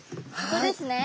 ここですね。